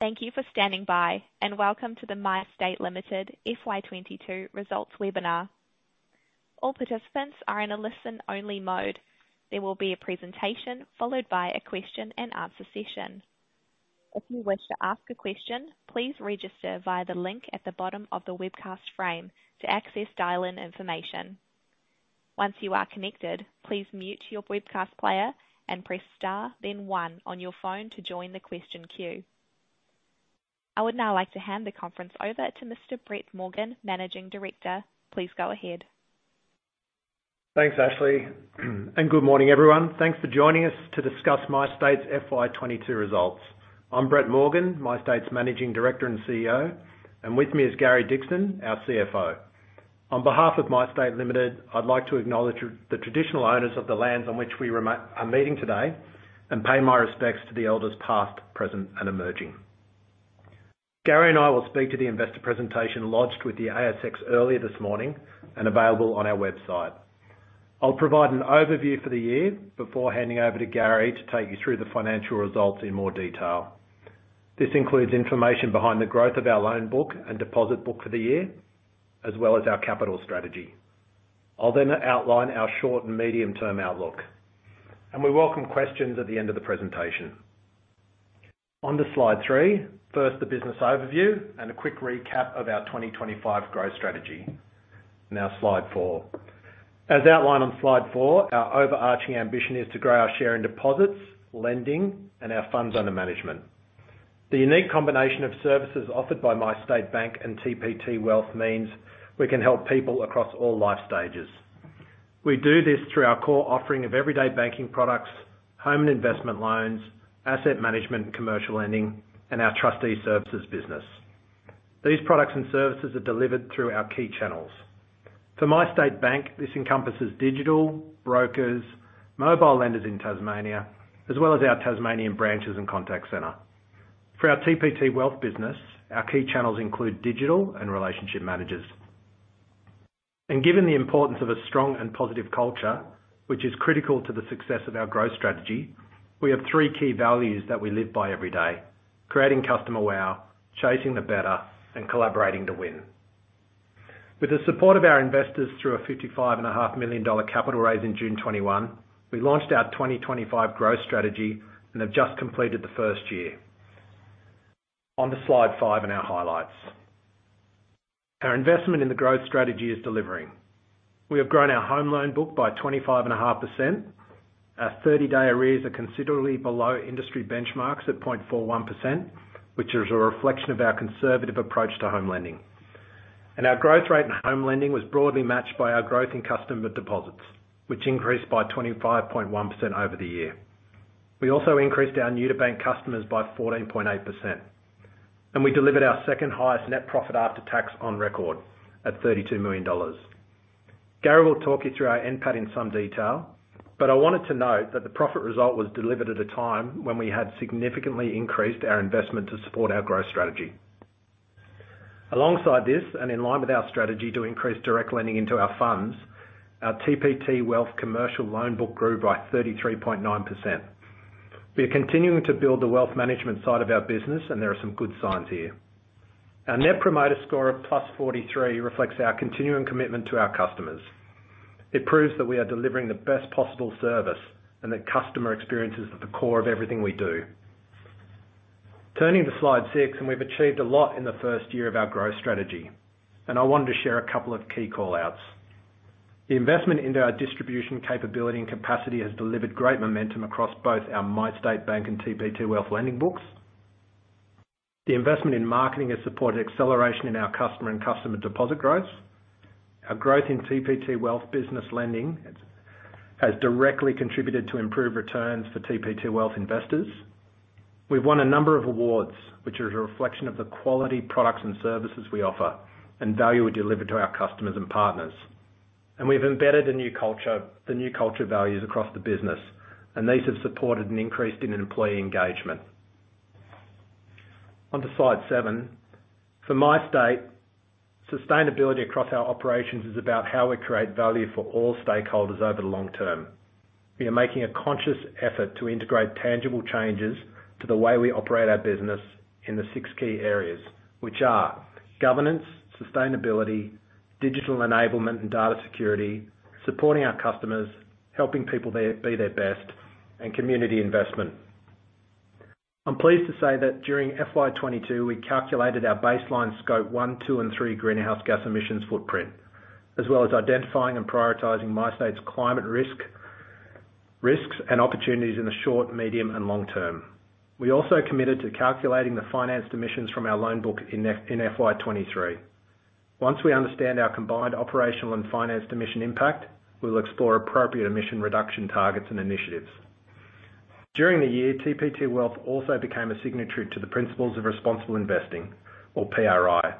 Thank you for standing by, and welcome to the MyState Limited FY 2022 results webinar. All participants are in a listen-only mode. There will be a presentation followed by a question-and-answer session. If you wish to ask a question, please register via the link at the bottom of the webcast frame to access dial-in information. Once you are connected, please mute your webcast player and press star, then one on your phone to join the question queue. I would now like to hand the conference over to Mr. Brett Morgan, Managing Director. Please go ahead. Thanks, Ashley. Good morning, everyone. Thanks for joining us to discuss MyState's FY 2022 results. I'm Brett Morgan, MyState's Managing Director and CEO, and with me is Gary Dickson, our CFO. On behalf of MyState Limited, I'd like to acknowledge the traditional owners of the lands on which we are meeting today and pay my respects to the elders past, present, and emerging. Gary and I will speak to the investor presentation lodged with the ASX earlier this morning and available on our website. I'll provide an overview for the year before handing over to Gary to take you through the financial results in more detail. This includes information behind the growth of our loan book and deposit book for the year, as well as our capital strategy. I'll then outline our short and medium-term outlook. We welcome questions at the end of the presentation. On to slide three. First, the business overview and a quick recap of our 2025 growth strategy. Now, slide four. As outlined on slide four, our overarching ambition is to grow our share in deposits, lending, and our funds under management. The unique combination of services offered by MyState Bank and TPT Wealth means we can help people across all life stages. We do this through our core offering of everyday banking products, home and investment loans, asset management, and commercial lending, and our trustee services business. These products and services are delivered through our key channels. For MyState Bank, this encompasses digital, brokers, mobile lenders in Tasmania, as well as our Tasmanian branches and contact center. For our TPT Wealth business, our key channels include digital and relationship managers. Given the importance of a strong and positive culture, which is critical to the success of our growth strategy, we have three key values that we live by every day, creating customer wow, chasing the better, and collaborating to win. With the support of our investors through a $55.5 million Capital raise in June 2021, we launched our 2025 growth strategy and have just completed the first year. On to slide five and our highlights. Our investment in the growth strategy is delivering. We have grown our home loan book by 25.5%. Our 30-day arrears are considerably below industry benchmarks at 0.41%, which is a reflection of our conservative approach to home lending. Our growth rate in home lending was broadly matched by our growth in customer deposits, which increased by 25.1% over the year. We also increased our new-to-bank customers by 14.8%, and we delivered our second-highest net profit after tax on record at $32 million. Gary will talk you through our NPAT in some detail, but I wanted to note that the profit result was delivered at a time when we had significantly increased our investment to support our growth strategy. Alongside this, and in line with our strategy to increase direct lending into our funds, our TPT Wealth commercial loan book grew by 33.9%. We are continuing to build the wealth management side of our business, and there are some good signs here. Our Net Promoter Score of +43 reflects our continuing commitment to our customers. It proves that we are delivering the best possible service and that customer experience is at the core of everything we do. Turning to slide six. We've achieved a lot in the first year of our growth strategy, and I wanted to share a couple of key call-outs. The investment into our distribution capability and capacity has delivered great momentum across both our MyState Bank and TPT Wealth lending books. The investment in marketing has supported acceleration in our customer and customer deposit growth. Our growth in TPT Wealth business lending has directly contributed to improved returns for TPT Wealth investors. We've won a number of awards, which are a reflection of the quality products and services we offer and value we deliver to our customers and partners. We've embedded the new cultural values across the business, and these have supported an increase in employee engagement. On to slide seven. For MyState, sustainability across our operations is about how we create value for all stakeholders over the long-term. We are making a conscious effort to integrate tangible changes to the way we operate our business in the six key areas, which are governance, sustainability, digital enablement, and data security, supporting our customers, helping people be their best, and community investment. I'm pleased to say that during FY 2022, we calculated our baseline scope one, two, and three greenhouse gas emissions footprint, as well as identifying and prioritizing MyState's climate risks and opportunities in the short-term, medium-term, and long-term. We also committed to calculating the financed emissions from our loan book in FY 2023. Once we understand our combined operational and financed emission impact, we'll explore appropriate emission reduction targets and initiatives. During the year, TPT Wealth also became a signatory to the Principles of Responsible Investing, or PRI.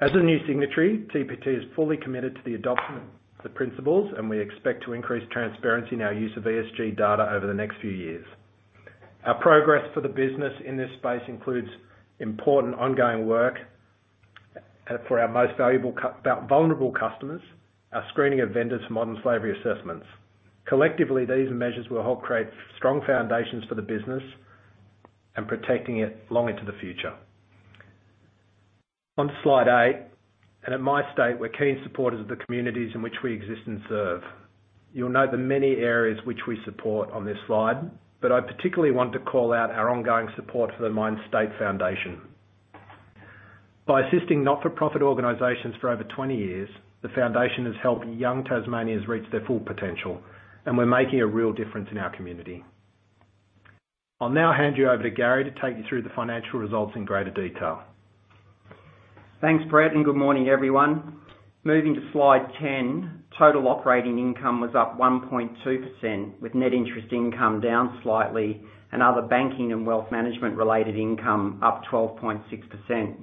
As a new signatory, TPT is fully committed to the adoption of the principles, and we expect to increase transparency in our use of ESG data over the next few years. Our progress for the business in this space includes important ongoing work for our most vulnerable customers, our screening of vendors for modern slavery assessments. Collectively, these measures will help create strong foundations for the business and protecting it long into the future. On slide eight, at MyState, we're keen supporters of the communities in which we exist and serve. You'll note the many areas which we support on this slide, but I particularly want to call-out our ongoing support for the MyState Foundation. By assisting not-for-profit organizations for over 20 years, the foundation has helped young Tasmanians reach their full potential, and we're making a real difference in our community. I'll now hand you over to Gary to take you through the financial results in greater detail. Thanks, Brett, and good morning, everyone. Moving to slide 10, total operating income was up 1.2%, with net interest income down slightly and other banking and wealth management-related income up 12.6%.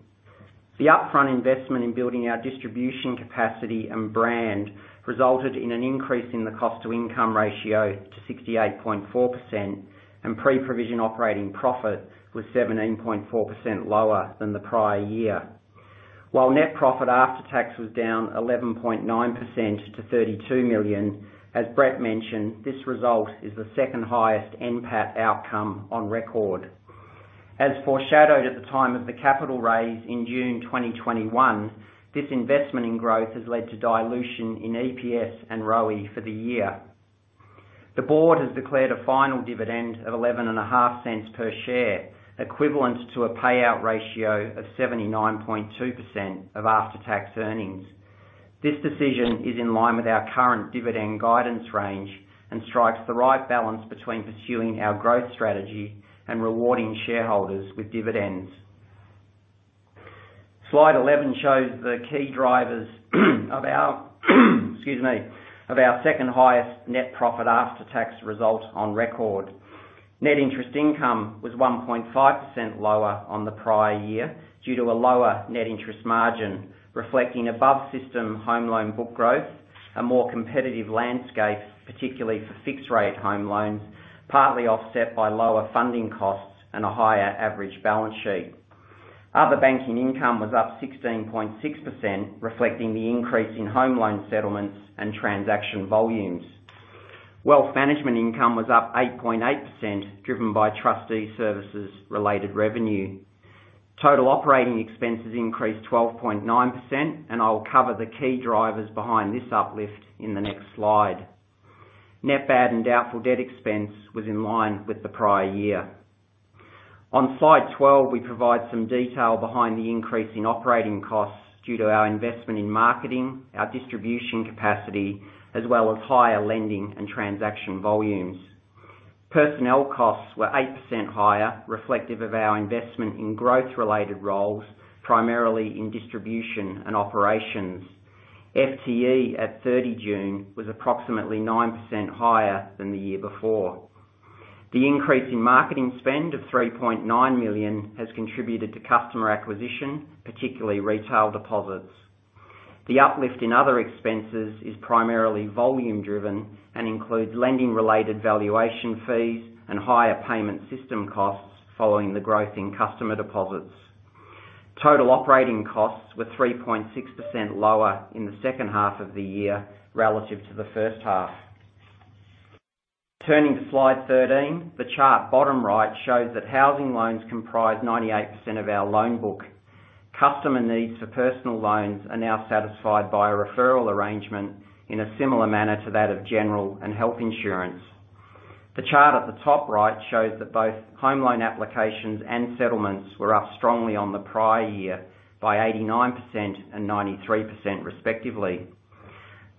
The upfront investment in building our distribution capacity and brand resulted in an increase in the cost-to-income ratio to 68.4%, and pre-provision operating profit was 17.4% lower than the prior year. While net profit after tax was down 11.9% to $32 million, as Brett mentioned, this result is the second-highest NPAT outcome on record. As foreshadowed at the time of the capital raise in June 2021, this investment in growth has led to dilution in EPS and ROE for the year. The board has declared a final dividend of $0.115 per share, equivalent to a payout ratio of 79.2% of after-tax earnings. This decision is in line with our current dividend guidance range and strikes the right balance between pursuing our growth strategy and rewarding shareholders with dividends. Slide 11 shows the key drivers of our second-highest net profit after tax result on record. Net interest income was 1.5% lower on the prior year due to a lower net interest margin, reflecting above system home loan book growth, a more competitive landscape, particularly for fixed-rate home loans, partly offset by lower funding costs and a higher average balance sheet. Other banking income was up 16.6%, reflecting the increase in home loan settlements and transaction volumes. Wealth management income was up 8.8%, driven by trustee services-related revenue. Total operating expenses increased 12.9%, and I'll cover the key drivers behind this uplift in the next slide. Net bad and doubtful debt expense was in line with the prior year. On slide 12, we provide some details behind the increase in operating costs due to our investment in marketing, our distribution capacity, as well as higher lending and transaction volumes. Personnel costs were 8% higher, reflective of our investment in growth-related roles, primarily in distribution and operations. FTE at 30 June was approximately 9% higher than the year before. The increase in marketing spend of $3.9 million has contributed to customer acquisition, particularly retail deposits. The uplift in other expenses is primarily volume-driven and includes lending-related valuation fees and higher payment system costs following the growth in customer deposits. Total operating costs were 3.6% lower in the second half of the year relative to the first half. Turning to slide 13, the chart bottom right shows that housing loans comprise 98% of our loan book. Customer needs for personal loans are now satisfied by a referral arrangement in a similar manner to that of general and health insurance. The chart at the top right shows that both home loan applications and settlements were up strongly on the prior year by 89% and 93%, respectively.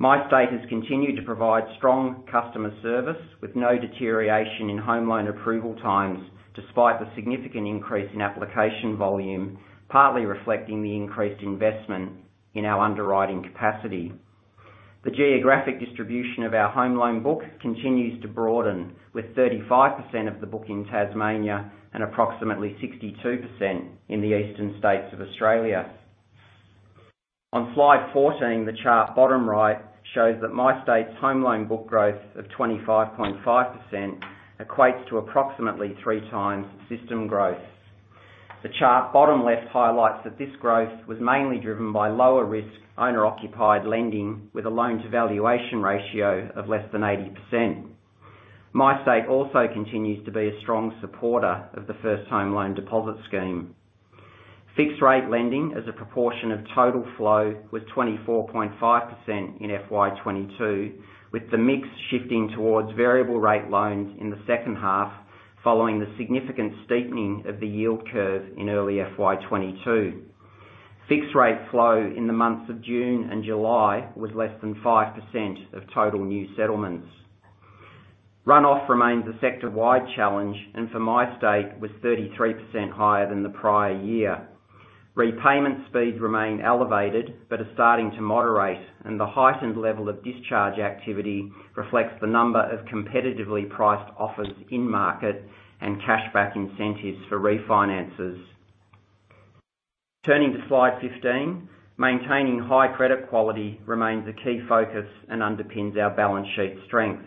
MyState has continued to provide strong customer service with no deterioration in home loan approval times, despite the significant increase in application volume, partly reflecting the increased investment in our underwriting capacity. The geographic distribution of our home loan book continues to broaden, with 35% of the book in Tasmania and approximately 62% in the eastern states of Australia. On slide 14, the chart bottom right shows that MyState's home loan book growth of 25.5% equates to approximately three times system growth. The chart, bottom left, highlights that this growth was mainly driven by lower-risk owner-occupied lending with a loan-to-valuation ratio of less than 80%. MyState also continues to be a strong supporter of the First Home Loan Deposit Scheme. Fixed rate lending as a proportion of total flow was 24.5% in FY 2022, with the mix shifting towards variable rate loans in the second half, following the significant steepening of the yield curve in early FY 2022. Fixed-rate flow in the months of June and July was less than 5% of total new settlements. Run-off remains a sector-wide challenge, and for MyState was 33% higher than the prior year. Repayment speeds remain elevated but are starting to moderate, and the heightened level of discharge activity reflects the number of competitively priced offers in-market and cashback incentives for refinances. Turning to slide 15, maintaining high credit quality remains a key focus and underpins our balance sheet strength.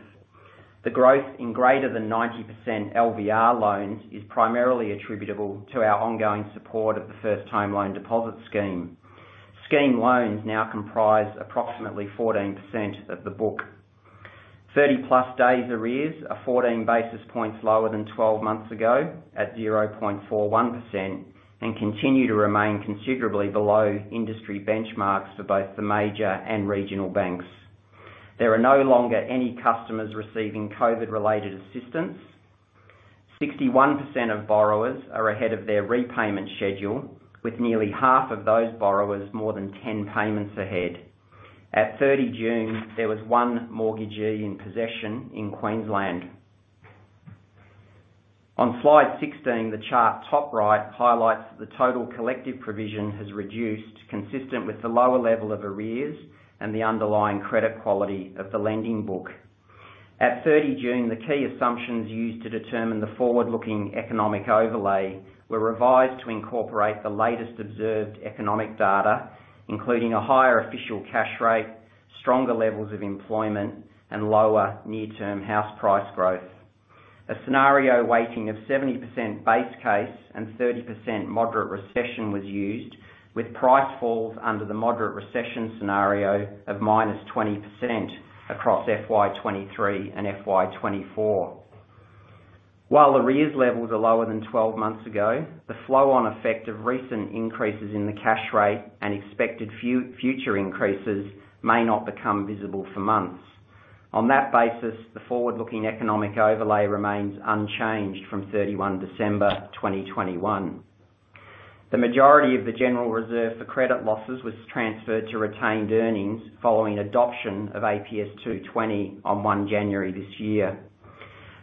The growth in greater than 90% LVR loans is primarily attributable to our ongoing support of the First Home Loan Deposit Scheme. Scheme loans now comprise approximately 14% of the book. 30+ days arrears are 14 basis points lower than 12 months ago, at 0.41%, and continue to remain considerably below industry benchmarks for both the major and regional banks. There are no longer any customers receiving COVID-related assistance. 61% of borrowers are ahead of their repayment schedule, with nearly half of those borrowers more than 10 payments ahead. At 30 June, there was 1 mortgagee in possession in Queensland. On slide 16, the chart top right highlights the total collective provision has reduced, consistent with the lower level of arrears and the underlying credit quality of the lending book. At 30 June, the key assumptions used to determine the forward-looking economic overlay were revised to incorporate the latest observed economic data, including a higher official cash rate, stronger levels of employment, and lower near-term house price growth. A scenario weighting of 70% base case and 30% moderate recession was used, with price falls under the moderate recession scenario of -20% across FY 2023 and FY 2024. While arrears levels are lower than 12 months ago, the flow-on effect of recent increases in the cash rate and expected future increases may not become visible for months. On that basis, the forward-looking economic overlay remains unchanged from 31 December 2021. The majority of the general reserve for credit losses was transferred to retained earnings following adoption of APS 220 on 1 January this year.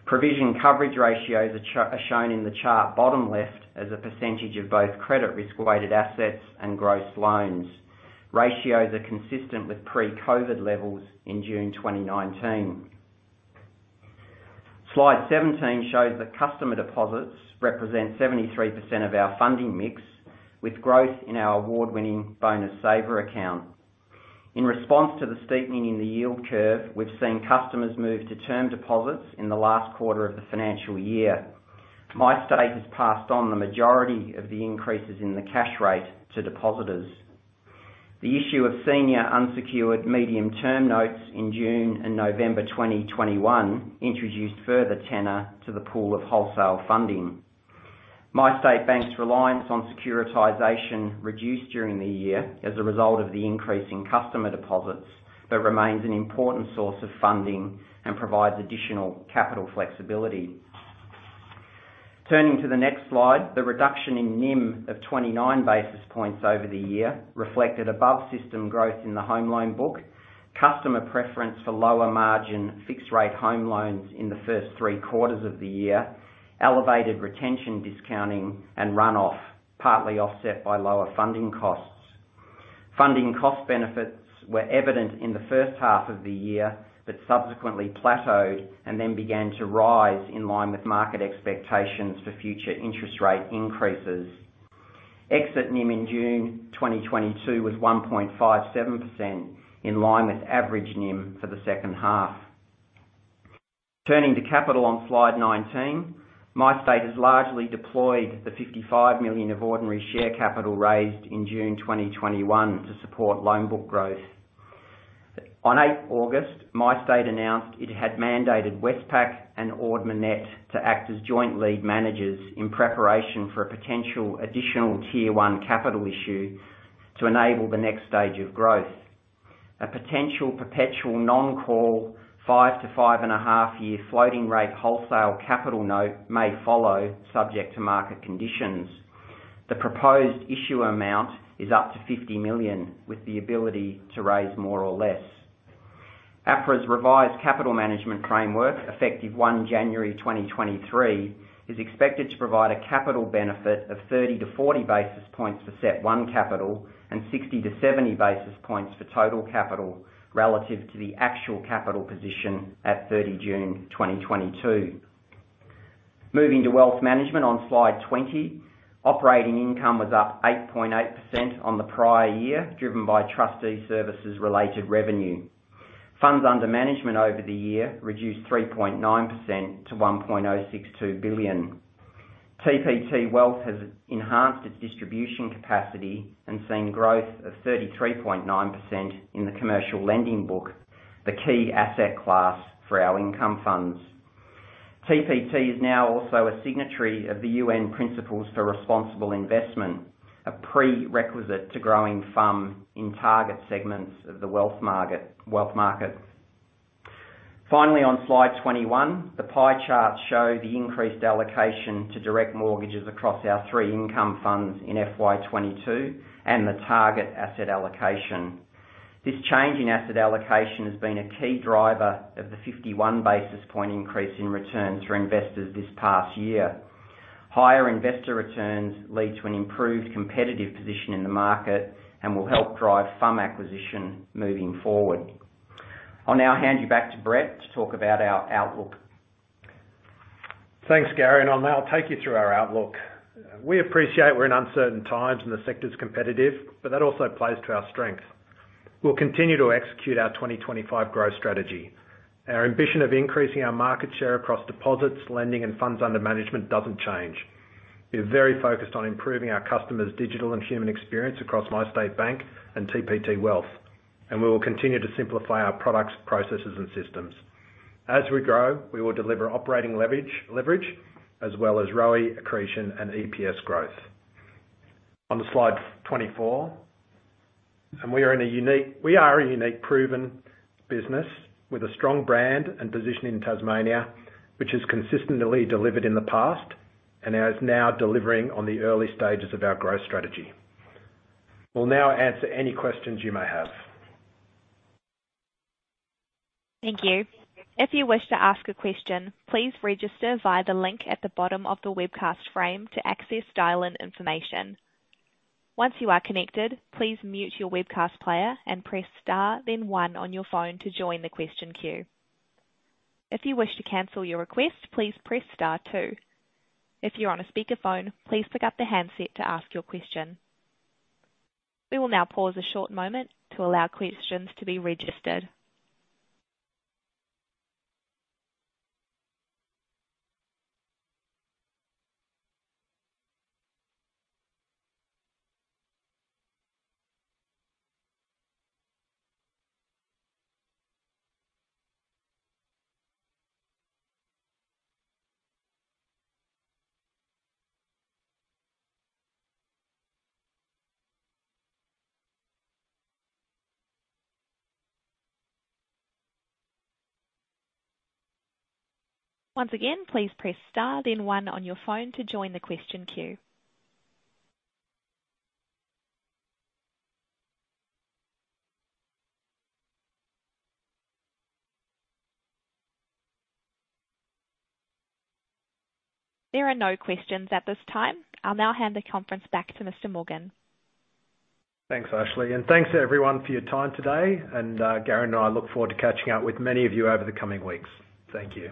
Provision coverage ratios are shown in the chart, bottom left, as a percentage of both credit risk-weighted assets and gross loans. Ratios are consistent with pre-COVID levels in June 2019. Slide 17 shows that customer deposits represent 73% of our funding mix, with growth in our award-winning Bonus Saver Account. In response to the steepening in the yield curve, we've seen customers move to term deposits in the last quarter of the financial year. MyState has passed on the majority of the increases in the cash rate to depositors. The issue of senior unsecured medium-term notes in June and November 2021 introduced further tenor to the pool of wholesale funding. MyState Bank's reliance on securitization reduced during the year as a result of the increase in customer deposits, but remains an important source of funding and provides additional capital flexibility. Turning to the next slide, the reduction in NIM of 29 basis points over the year reflected above-system growth in the home loan book, customer preference for lower margin fixed rate home loans in the first three quarters of the year, elevated retention discounting, and runoff, partly offset by lower funding costs. Funding cost benefits were evident in the first half of the year, but subsequently plateaued and then began to rise in line with market expectations for future interest rate increases. Exit NIM in June 2022 was 1.57%, in line with average NIM for the second half. Turning to capital on slide 19, MyState has largely deployed the $55 million of ordinary share capital raised in June 2021 to support loan book growth. On 8th August, MyState announced it had mandated Westpac and Ord Minnett to act as joint lead managers in preparation for a potential additional Tier one capital issue to enable the next stage of growth. A potential perpetual non-call five to five and a half-year floating rate wholesale capital note may follow, subject to market conditions. The proposed issue amount is up to $50 million, with the ability to raise more or less. APRA's revised capital management framework, effective 1 January 2023, is expected to provide a capital benefit of 30-40 basis points for CET1 capital and 60-70 basis points for total capital relative to the actual capital position at 30 June 2022. Moving to wealth management on slide 20, operating income was up 8.8% on the prior year, driven by trustee services-related revenue. Funds under management over the year reduced 3.9% to $1.062 billion. TPT Wealth has enhanced its distribution capacity and seen growth of 33.9% in the commercial lending book, the key asset class for our income funds. TPT is now also a signatory of the UN Principles for Responsible Investment, a prerequisite to growing FUM in target segments of the wealth market. Finally, on slide 21, the pie charts show the increased allocation to direct mortgages across our three income funds in FY 2022 and the target asset allocation. This change in asset allocation has been a key driver of the 51 basis point increase in returns for investors this past year. Higher investor returns lead to an improved competitive position in the market and will help drive FUM acquisition moving forward. I'll now hand you back to Brett to talk about our outlook. Thanks, Gary, and I'll now take you through our outlook. We appreciate we're in uncertain times and the sector's competitive, but that also plays to our strength. We'll continue to execute our 2025 growth strategy. Our ambition of increasing our market share across deposits, lending, and funds under management doesn't change. We're very focused on improving our customers' digital and human experience across MyState Bank and TPT Wealth, and we will continue to simplify our products, processes, and systems. As we grow, we will deliver operating leverage as well as ROE accretion and EPS growth. On slide 24. We are a unique, proven business with a strong brand and position in Tasmania, which has consistently delivered in the past and is now delivering on the early stages of our growth strategy. We'll now answer any questions you may have. Thank you. If you wish to ask a question, please register via the link at the bottom of the webcast frame to access dial-in information. Once you are connected, please mute your webcast player and press star then one on your phone to join the question queue. If you wish to cancel your request, please press star two. If you're on a speakerphone, please pick up the handset to ask your question. We will now pause for a short moment to allow questions to be registered. Once again, please press star then one on your phone to join the question queue. There are no questions at this time. I'll now hand the conference back to Mr. Morgan. Thanks, Ashley, and thanks, everyone, for your time today. Gary and I look forward to catching up with many of you over the coming weeks. Thank you.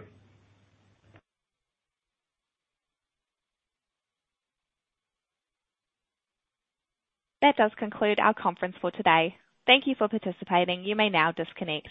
That does conclude our conference for today. Thank you for participating. You may now disconnect.